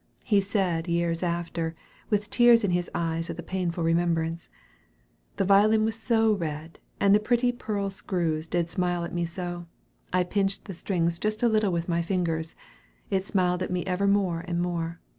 He said years after, with tears in his eyes at the painful remembrance, "The violin was so red, and the pretty pearl screws did smile at me so! I pinched the strings just a little with my fingers. It smiled at me ever more and more.